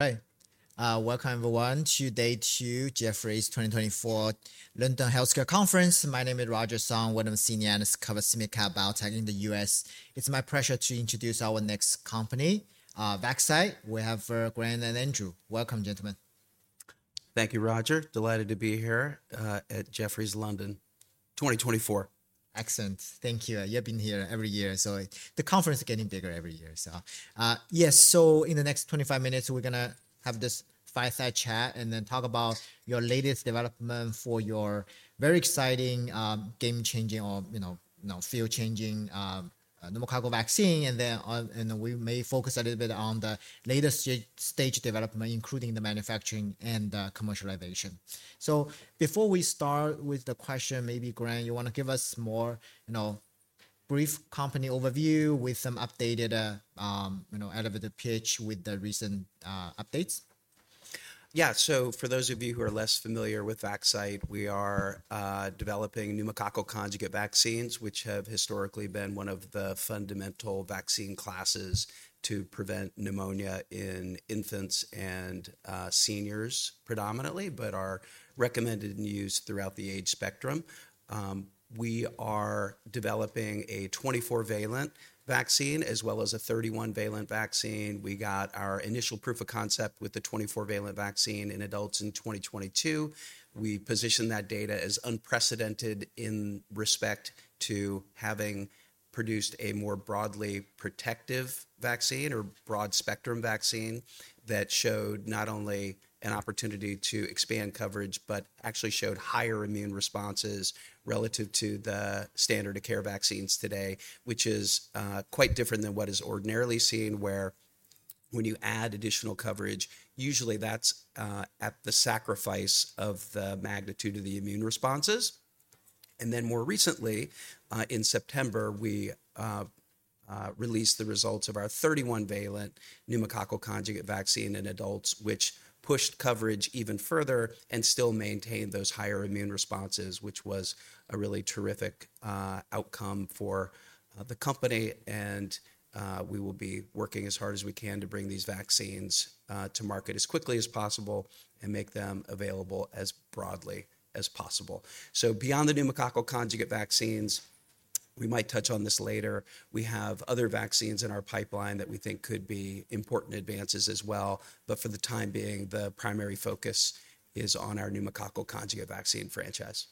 Hi. Welcome, everyone, to Day two, Jefferies' 2024 London Healthcare Conference. My name is Roger Song, one of the senior analysts covering biotech in the US. It's my pleasure to introduce our next company, Vaxcyte. We have Grant and Andrew. Welcome, gentlemen. Thank you, Roger. Delighted to be here at Jefferies London 2024. Excellent. Thank you. You've been here every year. The conference is getting bigger every year. Yes, in the next 25 minutes, we're going to have this fireside chat and then talk about your latest development for your very exciting, game-changing, or, you know, field-changing pneumococcal vaccine. Then we may focus a little bit on the latest stage development, including the manufacturing and commercialization. Before we start with the question, maybe, Grant, you want to give us a more brief company overview with some updated, you know, elevated pitch with the recent updates? Yeah. So for those of you who are less familiar with Vaxcyte, we are developing pneumococcal conjugate vaccines, which have historically been one of the fundamental vaccine classes to prevent pneumonia in infants and seniors predominantly, but are recommended in use throughout the age spectrum. We are developing a 24-valent vaccine as well as a 31-valent vaccine. We got our initial proof of concept with the 24-valent vaccine in adults in 2022. We position that data as unprecedented in respect to having produced a more broadly protective vaccine or broad-spectrum vaccine that showed not only an opportunity to expand coverage, but actually showed higher immune responses relative to the standard of care vaccines today, which is quite different than what is ordinarily seen, where when you add additional coverage, usually that's at the sacrifice of the magnitude of the immune responses. And then more recently, in September, we released the results of our 31-valent pneumococcal conjugate vaccine in adults, which pushed coverage even further and still maintained those higher immune responses, which was a really terrific outcome for the company. And we will be working as hard as we can to bring these vaccines to market as quickly as possible and make them available as broadly as possible. So beyond the pneumococcal conjugate vaccines, we might touch on this later. We have other vaccines in our pipeline that we think could be important advances as well. But for the time being, the primary focus is on our pneumococcal conjugate vaccine franchise.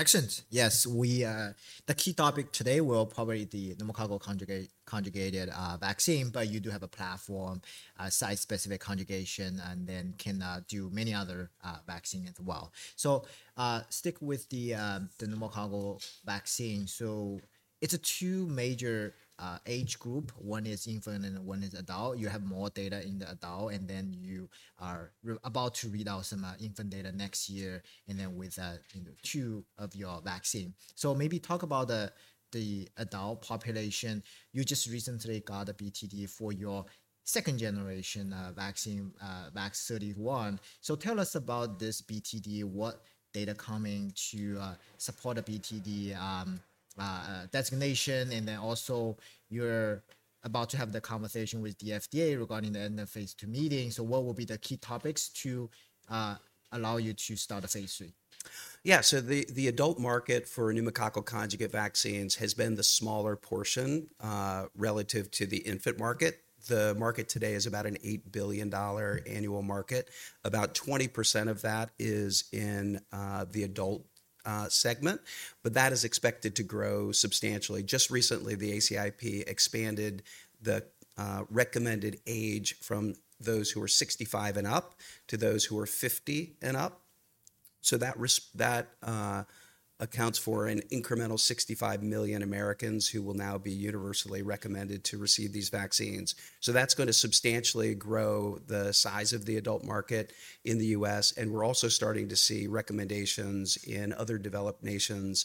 Excellent. Yes. The key topic today will probably be the pneumococcal conjugate vaccine, but you do have a platform, site-specific conjugation, and then can do many other vaccines as well. So stick with the pneumococcal vaccine. So it's two major age groups. One is infant and one is adult. You have more data in the adult, and then you are about to read out some infant data next year and then with two of your vaccines. So maybe talk about the adult population. You just recently got a BTD for your second-generation vaccine, VAX-31. So tell us about this BTD, what data coming to support a BTD designation, and then also you're about to have the conversation with the FDA regarding the end of phase II meeting. So what will be the key topics to allow you to start a phase III? Yeah. So the adult market for pneumococcal conjugate vaccines has been the smaller portion relative to the infant market. The market today is about an $8 billion annual market. About 20% of that is in the adult segment, but that is expected to grow substantially. Just recently, the ACIP expanded the recommended age from those who are 65 and up to those who are 50 and up. So that accounts for an incremental 65 million Americans who will now be universally recommended to receive these vaccines. So that's going to substantially grow the size of the adult market in the U.S. And we're also starting to see recommendations in other developed nations.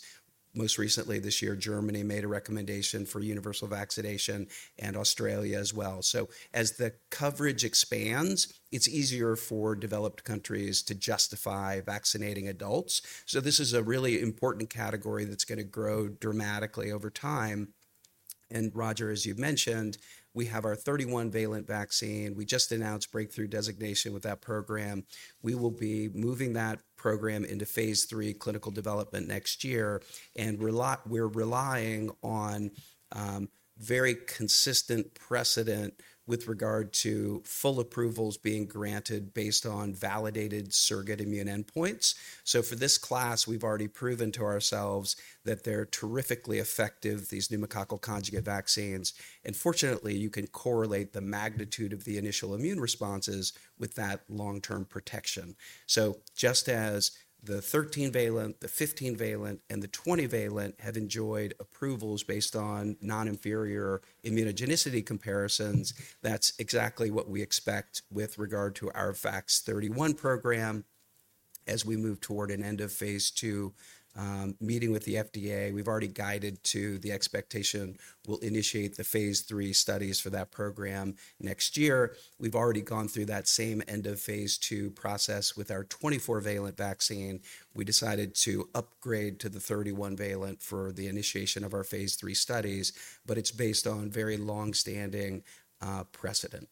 Most recently this year, Germany made a recommendation for universal vaccination and Australia as well. So as the coverage expands, it's easier for developed countries to justify vaccinating adults. So this is a really important category that's going to grow dramatically over time. And Roger, as you've mentioned, we have our 31-valent vaccine. We just announced breakthrough designation with that program. We will be moving that program into phase III clinical development next year. And we're relying on very consistent precedent with regard to full approvals being granted based on validated surrogate immune endpoints. So for this class, we've already proven to ourselves that they're terrifically effective, these pneumococcal conjugate vaccines. And fortunately, you can correlate the magnitude of the initial immune responses with that long-term protection. So just as the 13-valent, the 15-valent, and the 20-valent have enjoyed approvals based on non-inferior immunogenicity comparisons, that's exactly what we expect with regard to our VAX-31 program. As we move toward an end of phase II meeting with the FDA, we've already guided to the expectation we'll initiate the phase III studies for that program next year. We've already gone through that same end of phase II process with our 24-valent vaccine. We decided to upgrade to the 31-valent for the initiation of our phase III studies, but it's based on very long-standing precedent.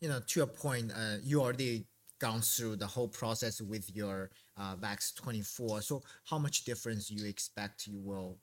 You know, to your point, you already gone through the whole process with your VAX-24. So how much difference do you expect you will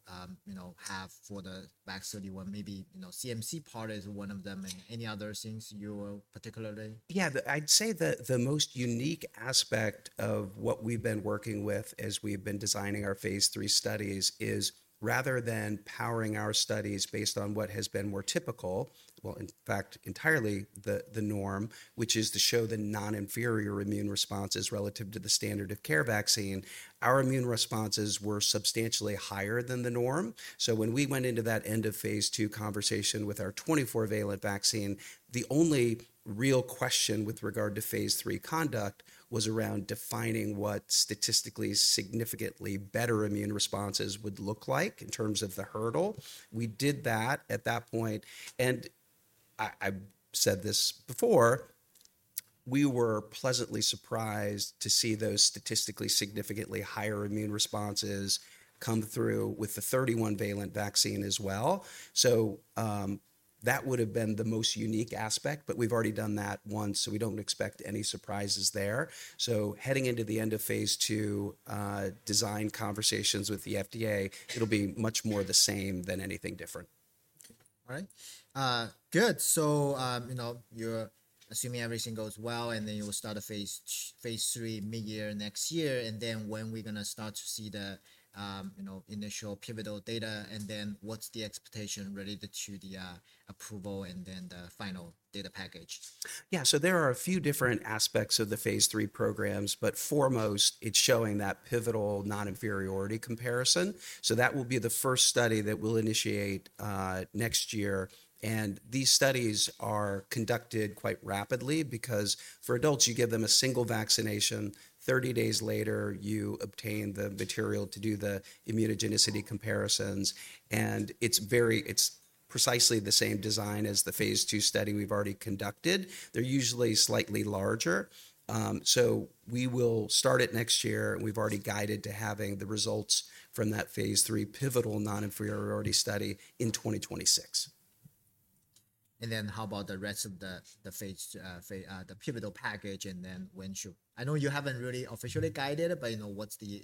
have for the VAX-31? Maybe CMC part is one of them. Any other things you will particularly? Yeah, I'd say the most unique aspect of what we've been working with as we've been designing our phase III studies is rather than powering our studies based on what has been more typical, well, in fact, entirely the norm, which is to show the non-inferior immune responses relative to the standard of care vaccine, our immune responses were substantially higher than the norm. So when we went into that end of phase II conversation with our 24-valent vaccine, the only real question with regard to phase III conduct was around defining what statistically significantly better immune responses would look like in terms of the hurdle. We did that at that point. And I've said this before, we were pleasantly surprised to see those statistically significantly higher immune responses come through with the 31-valent vaccine as well. So that would have been the most unique aspect, but we've already done that once, so we don't expect any surprises there. So heading into the end of phase II design conversations with the FDA, it'll be much more the same than anything different. All right. Good. So you're assuming everything goes well, and then you will start a phase III mid-year next year. And then when we're going to start to see the initial pivotal data, and then what's the expectation related to the approval and then the final data package? Yeah. So there are a few different aspects of the phase III programs, but foremost, it's showing that pivotal non-inferiority comparison. So that will be the first study that we'll initiate next year. And these studies are conducted quite rapidly because for adults, you give them a single vaccination. 30 days later, you obtain the material to do the immunogenicity comparisons. And it's precisely the same design as the phase II study we've already conducted. They're usually slightly larger. So we will start it next year, and we've already guided to having the results from that phase III pivotal non-inferiority study in 2026. And then how about the rest of the pivotal package? And then when should I know? You haven't really officially guided it, but what's the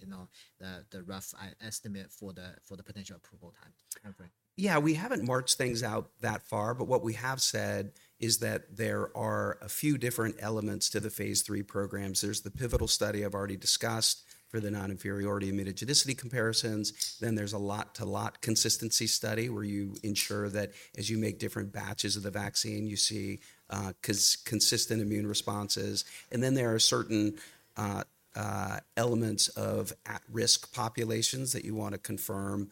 rough estimate for the potential approval time? Yeah, we haven't marched things out that far, but what we have said is that there are a few different elements to the phase III programs. There's the pivotal study I've already discussed for the non-inferiority immunogenicity comparisons. Then there's a lot-to-lot consistency study where you ensure that as you make different batches of the vaccine, you see consistent immune responses. And then there are certain elements of at-risk populations that you want to confirm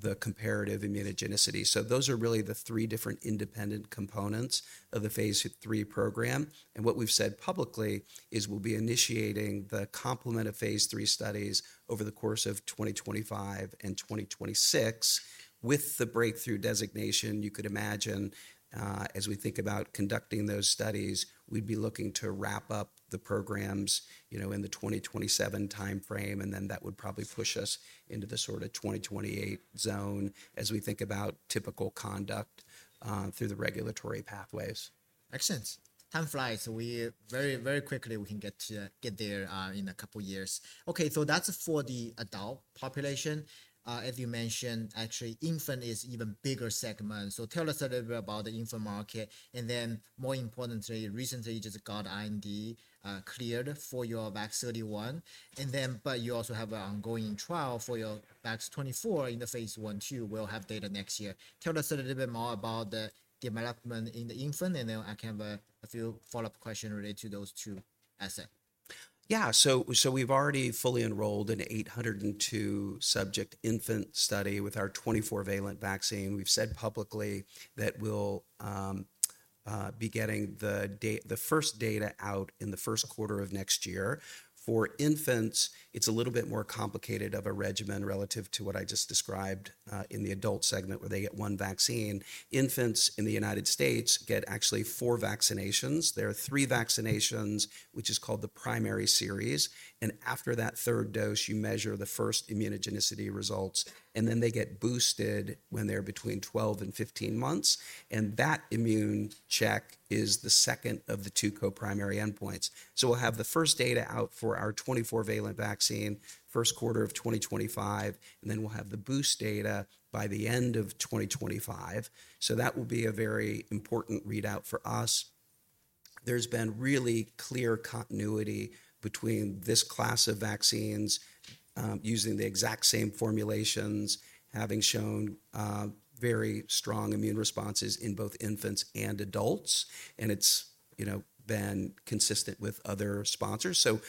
the comparative immunogenicity. So those are really the three different independent components of the phase III program. And what we've said publicly is we'll be initiating the complement of phase III studies over the course of 2025 and 2026 with the breakthrough designation. You could imagine as we think about conducting those studies, we'd be looking to wrap up the programs in the 2027 timeframe, and then that would probably push us into the sort of 2028 zone as we think about typical conduct through the regulatory pathways. Excellent. Time flies. Very quickly, we can get there in a couple of years. Okay, so that's for the adult population. As you mentioned, actually, infant is an even bigger segment. So tell us a little bit about the infant market. And then more importantly, recently you just got IND cleared for your VAX-31. But you also have an ongoing trial for your VAX-24 in the phase I too. We'll have data next year. Tell us a little bit more about the development in the infant, and then I can have a few follow-up questions related to those two assets. Yeah. So we've already fully enrolled in an 802-subject infant study with our 24-valent vaccine. We've said publicly that we'll be getting the first data out in the first quarter of next year. For infants, it's a little bit more complicated of a regimen relative to what I just described in the adult segment where they get one vaccine. Infants in the United States get actually four vaccinations. There are three vaccinations, which is called the primary series. And after that third dose, you measure the first immunogenicity results, and then they get boosted when they're between 12 and 15 months. And that immune check is the second of the two co-primary endpoints. So we'll have the first data out for our 24-valent vaccine first quarter of 2025, and then we'll have the boost data by the end of 2025. So that will be a very important readout for us. There's been really clear continuity between this class of vaccines using the exact same formulations, having shown very strong immune responses in both infants and adults. And it's been consistent with other sponsors. So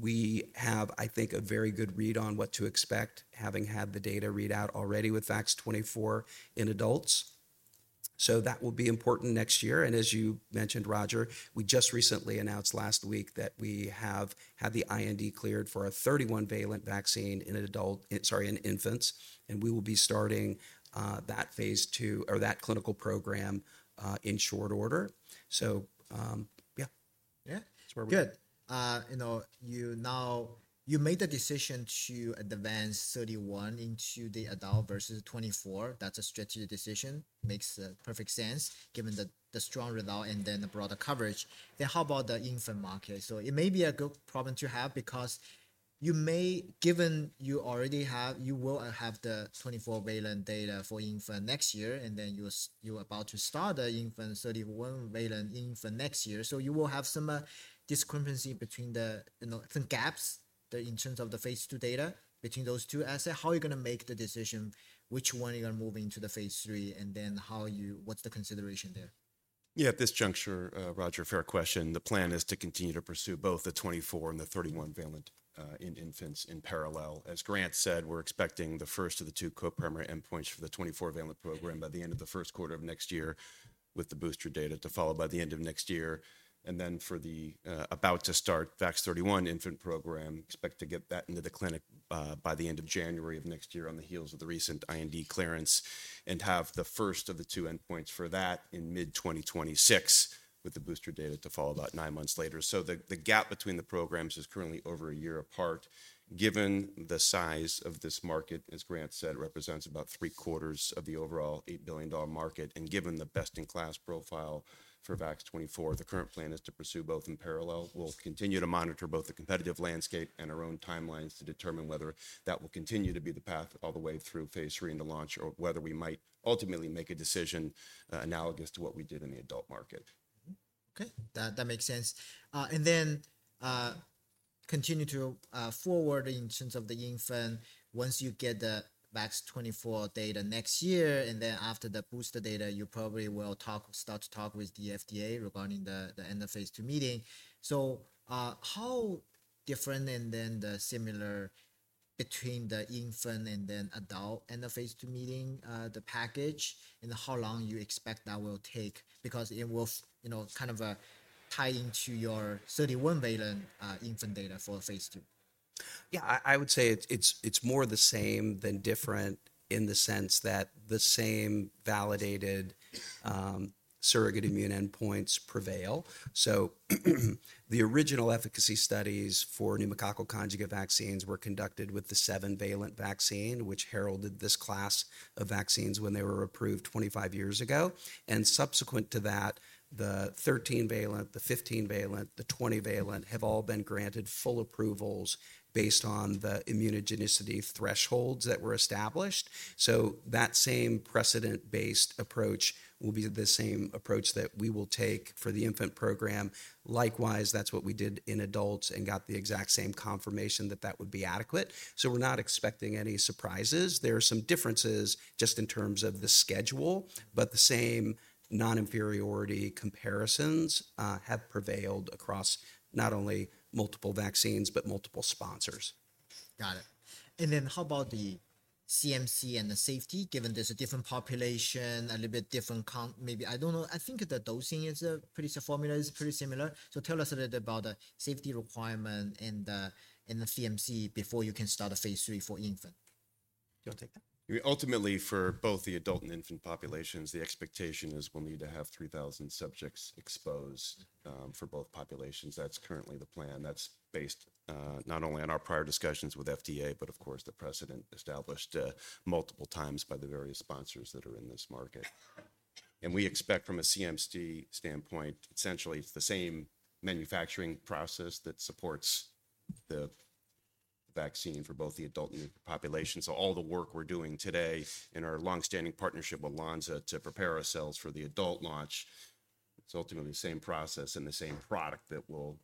we have, I think, a very good read on what to expect, having had the data readout already with VAX-24 in adults. So that will be important next year. And as you mentioned, Roger, we just recently announced last week that we have had the IND cleared for a 31-valent vaccine in adult, sorry, in infants. And we will be starting that phase II or that clinical program in short order. So yeah. Yeah. Good. You made the decision to advance 31 into the adult versus 24. That's a strategic decision. Makes perfect sense given the strong result and then the broader coverage. Then how about the infant market? So it may be a good problem to have because you may, given you already have, you will have the 24-valent data for infant next year, and then you're about to start the infant 31-valent next year. So you will have some discrepancy between the gaps in terms of the phase II data between those two assets. How are you going to make the decision which one you're going to move into the phase III and then what's the consideration there? Yeah, at this juncture, Roger, fair question. The plan is to continue to pursue both the VAX-24 and the VAX-31 in infants in parallel. As Grant said, we're expecting the first of the two co-primary endpoints for the VAX-24 program by the end of the first quarter of next year with the booster data to follow by the end of next year. And then for the about to start VAX-31 infant program, expect to get that into the clinic by the end of January of next year on the heels of the recent IND clearance and have the first of the two endpoints for that in mid-2026 with the booster data to follow about nine months later. So the gap between the programs is currently over a year apart. Given the size of this market, as Grant said, represents about three quarters of the overall $8 billion market. And given the best-in-class profile for VAX-24, the current plan is to pursue both in parallel. We'll continue to monitor both the competitive landscape and our own timelines to determine whether that will continue to be the path all the way throughphase III and the launch or whether we might ultimately make a decision analogous to what we did in the adult market. Okay. That makes sense. And then continue to forward in terms of the infant once you get the VAX-24 data next year. And then after the booster data, you probably will start to talk with the FDA regarding the end of phase II meeting. So how different and then similar between the infant and then adult end of phase II meeting, the package, and how long you expect that will take because it will kind of tie into your 31-valent infant data for phase II? Yeah, I would say it's more the same than different in the sense that the same validated surrogate immune endpoints prevail, so the original efficacy studies for pneumococcal conjugate vaccines were conducted with the seven-valent vaccine, which heralded this class of vaccines when they were approved 25 years ago, and subsequent to that, the 13-valent, the 15-valent, the 20-valent have all been granted full approvals based on the immunogenicity thresholds that were established, so that same precedent-based approach will be the same approach that we will take for the infant program. Likewise, that's what we did in adults and got the exact same confirmation that that would be adequate, so we're not expecting any surprises. There are some differences just in terms of the schedule, but the same non-inferiority comparisons have prevailed across not only multiple vaccines, but multiple sponsors. Got it. And then how about the CMC and the safety, given there's a different population, a little bit different maybe, I don't know. I think the dosing is a pretty similar formula. It's pretty similar. So tell us a little bit about the safety requirement and the CMC before you can start a phase III for infant? Ultimately, for both the adult and infant populations, the expectation is we'll need to have 3,000 subjects exposed for both populations. That's currently the plan. That's based not only on our prior discussions with FDA, but of course, the precedent established multiple times by the various sponsors that are in this market, and we expect from a CMC standpoint, essentially, it's the same manufacturing process that supports the vaccine for both the adult and infant population, so all the work we're doing today in our long-standing partnership with Lonza to prepare ourselves for the adult launch, it's ultimately the same process and the same product that will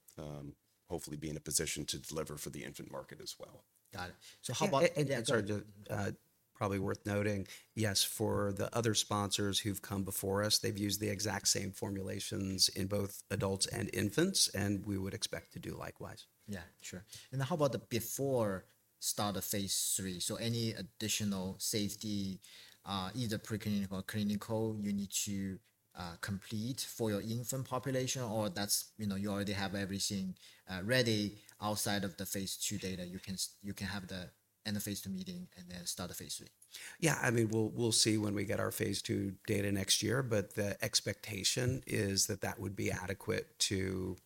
hopefully be in a position to deliver for the infant market as well. Got it, so how about. And. Sorry, probably worth noting, yes, for the other sponsors who've come before us, they've used the exact same formulations in both adults and infants, and we would expect to do likewise. Yeah, sure. And how about the before start of phase III? So any additional safety, either preclinical or clinical, you need to complete for your infant population, or you already have everything ready outside of the phase II data, you can have the end of phase II meeting and then start the phase III? Yeah, I mean, we'll see when we get ourphase II data next year, but the expectation is that that would be adequate to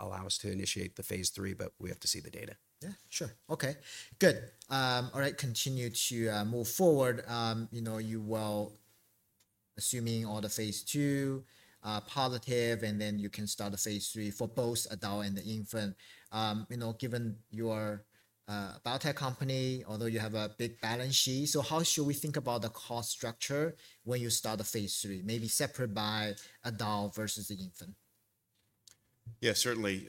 allow us to initiate thephase III, but we have to see the data. Yeah, sure. Okay. Good. All right, continue to move forward. Assuming all the phase II positive, and then you can start the phase III for both adult and the infant. Given your biotech company, although you have a big balance sheet, so how should we think about the cost structure when you start the phase III, maybe separate by adult versus the infant? Yeah, certainly.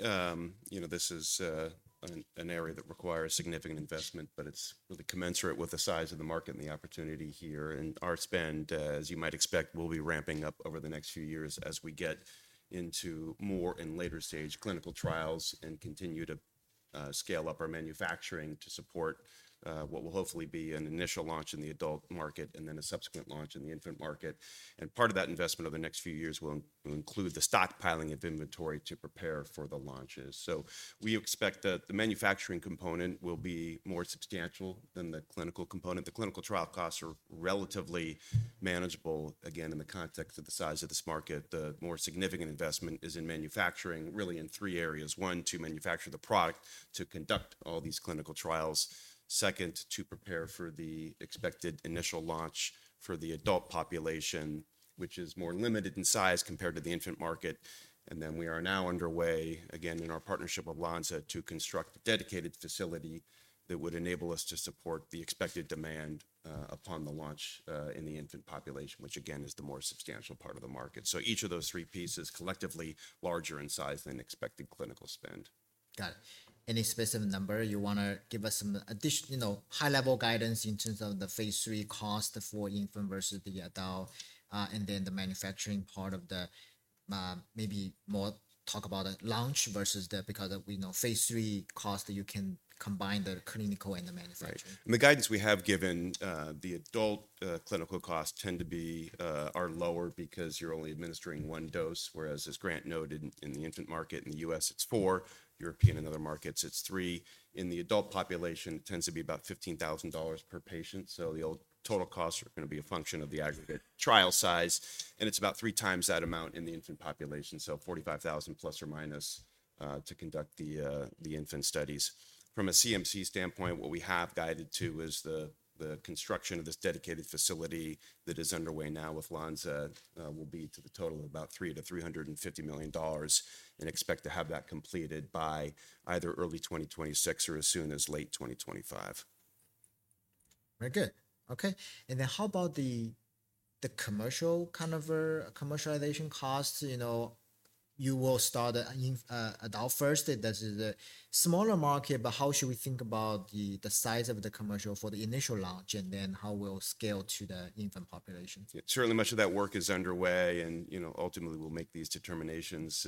This is an area that requires significant investment, but it's really commensurate with the size of the market and the opportunity here. And our spend, as you might expect, will be ramping up over the next few years as we get into more in later stage clinical trials and continue to scale up our manufacturing to support what will hopefully be an initial launch in the adult market and then a subsequent launch in the infant market. And part of that investment over the next few years will include the stockpiling of inventory to prepare for the launches. So we expect that the manufacturing component will be more substantial than the clinical component. The clinical trial costs are relatively manageable, again, in the context of the size of this market. The more significant investment is in manufacturing, really in three areas. One, to manufacture the product to conduct all these clinical trials. Second, to prepare for the expected initial launch for the adult population, which is more limited in size compared to the infant market, and then we are now underway, again, in our partnership with Lonza to construct a dedicated facility that would enable us to support the expected demand upon the launch in the infant population, which again is the more substantial part of the market, so each of those three pieces collectively larger in size than expected clinical spend. Got it. Any specific number you want to give us, some high-level guidance in terms of the phase III cost for infant versus the adult and then the manufacturing part of the, maybe more talk about the launch versus the, because we know phase III cost, you can combine the clinical and the manufacturing? Right. And the guidance we have given, the adult clinical costs tend to be lower because you're only administering one dose, whereas Grant noted, in the infant market in the U.S., it's four. European and other markets, it's three. In the adult population, it tends to be about $15,000 per patient. So the total costs are going to be a function of the aggregate trial size. And it's about three times that amount in the infant population. So $45,000 plus or minus to conduct the infant studies. From a CMC standpoint, what we have guided to is the construction of this dedicated facility that is underway now with Lonza will be to the total of about $300 million-$350 million and expect to have that completed by either early 2026 or as soon as late 2025. Very good. Okay. And then how about the commercial kind of commercialization costs? You will start adult first. That's a smaller market, but how should we think about the size of the commercial for the initial launch and then how we'll scale to the infant population? Certainly, much of that work is underway and ultimately we'll make these determinations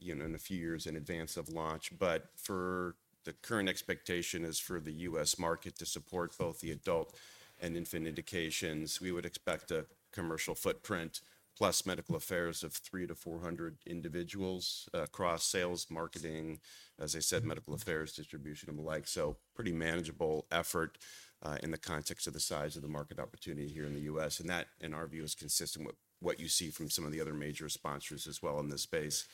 in a few years in advance of launch, but the current expectation is for the U.S. market to support both the adult and infant indications. We would expect a commercial footprint plus medical affairs of 300-400 individuals across sales, marketing, as I said, medical affairs, distribution, and the like. So pretty manageable effort in the context of the size of the market opportunity here in the U.S., and that, in our view, is consistent with what you see from some of the other major sponsors as well in this space.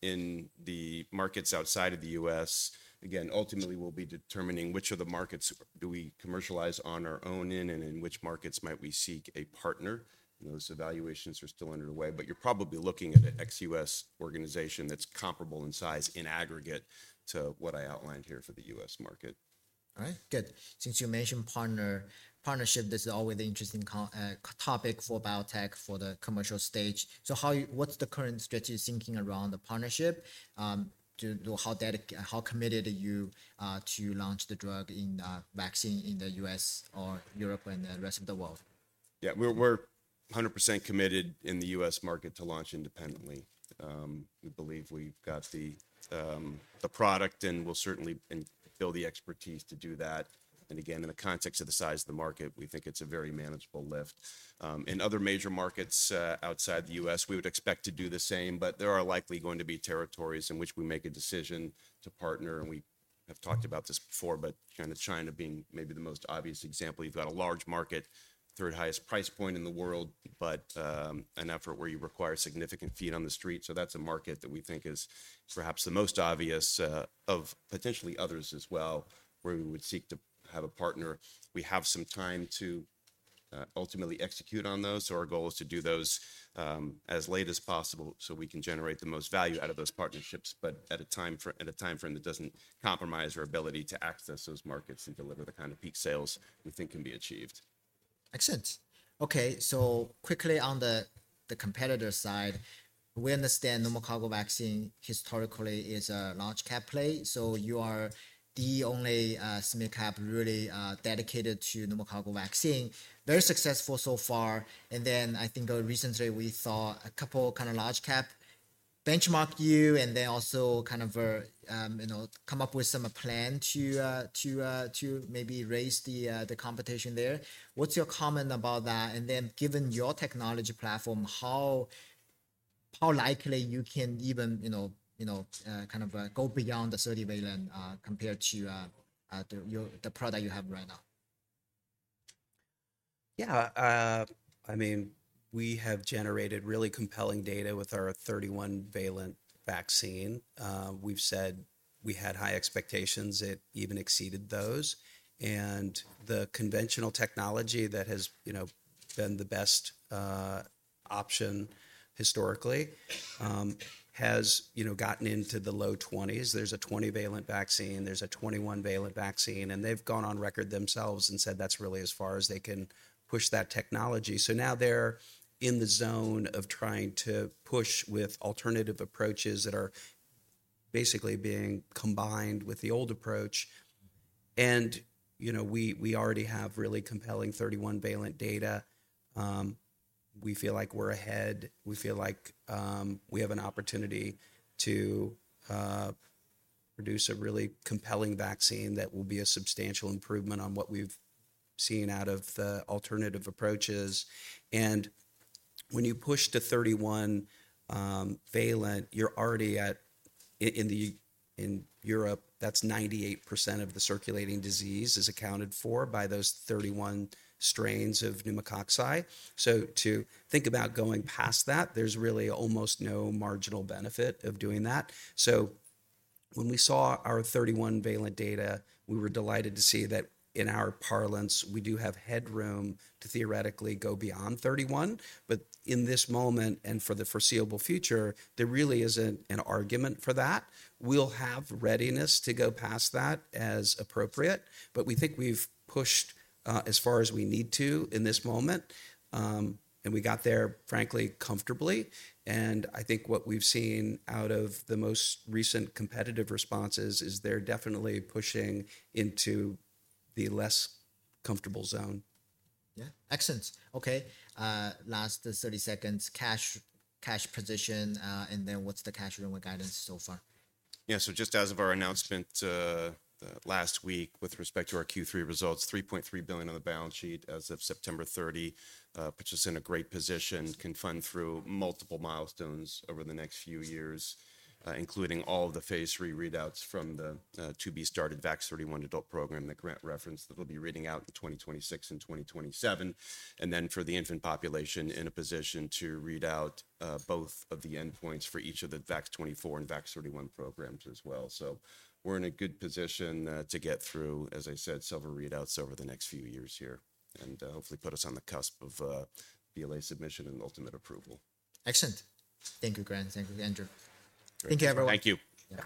In the markets outside of the U.S., again, ultimately we'll be determining which of the markets do we commercialize on our own in and in which markets might we seek a partner. Those evaluations are still underway, but you're probably looking at an ex-U.S. organization that's comparable in size in aggregate to what I outlined here for the U.S. market. All right. Good. Since you mentioned partnership, this is always an interesting topic for biotech for the commercial stage. So what's the current strategy thinking around the partnership? How committed are you to launch the drug, the vaccine in the U.S. or Europe and the rest of the world? Yeah, we're 100% committed in the U.S. market to launch independently. We believe we've got the product and we'll certainly build the expertise to do that. And again, in the context of the size of the market, we think it's a very manageable lift. In other major markets outside the U.S., we would expect to do the same, but there are likely going to be territories in which we make a decision to partner. And we have talked about this before, but China being maybe the most obvious example, you've got a large market, third highest price point in the world, but an effort where you require significant feet on the street. So that's a market that we think is perhaps the most obvious of potentially others as well where we would seek to have a partner. We have some time to ultimately execute on those. So our goal is to do those as late as possible so we can generate the most value out of those partnerships, but at a time frame that doesn't compromise our ability to access those markets and deliver the kind of peak sales we think can be achieved. Excellent. Okay. So quickly on the competitor side, we understand pneumococcal vaccine historically is a large cap play. So you are the only small cap really dedicated to pneumococcal vaccine. Very successful so far. And then I think recently we saw a couple of kind of large cap benchmark you and then also kind of come up with some plan to maybe raise the competition there. What's your comment about that? And then given your technology platform, how likely you can even kind of go beyond the 30-valent compared to the product you have right now? Yeah, I mean, we have generated really compelling data with our 31-valent vaccine. We've said we had high expectations. It even exceeded those. And the conventional technology that has been the best option historically has gotten into the low 20s. There's a 20-valent vaccine. There's a 21-valent vaccine. And they've gone on record themselves and said that's really as far as they can push that technology. So now they're in the zone of trying to push with alternative approaches that are basically being combined with the old approach. And we already have really compelling 31-valent data. We feel like we're ahead. We feel like we have an opportunity to produce a really compelling vaccine that will be a substantial improvement on what we've seen out of the alternative approaches. And when you push to 31-valent, you're already at, in Europe, 98% of the circulating disease is accounted for by those 31 strains of pneumococci. So to think about going past that, there's really almost no marginal benefit of doing that. So when we saw our 31-valent data, we were delighted to see that in our parlance, we do have headroom to theoretically go beyond 31. But in this moment and for the foreseeable future, there really isn't an argument for that. We'll have readiness to go past that as appropriate, but we think we've pushed as far as we need to in this moment. And we got there, frankly, comfortably. And I think what we've seen out of the most recent competitive responses is they're definitely pushing into the less comfortable zone. Yeah. Excellent. Okay. Last 30 seconds, cash position, and then what's the cash runway guidance so far? Yeah. So just as of our announcement last week with respect to our Q3 results, $3.3 billion on the balance sheet as of September 30, which is in a great position, can fund through multiple milestones over the next few years, including all of the phase III readouts from the to be started VAX-31 adult program that Grant referenced that we'll be reading out in 2026 and 2027. And then for the infant population, in a position to read out both of the endpoints for each of the VAX-24 and VAX-31 programs as well. So we're in a good position to get through, as I said, several readouts over the next few years here and hopefully put us on the cusp of BLA submission and ultimate approval. Excellent. Thank you, Grant. Thank you, Andrew. Thank you, everyone. Thank you. Yeah.